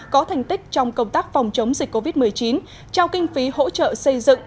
có thành tích trong công tác phòng chống dịch covid một mươi chín trao kinh phí hỗ trợ xây dựng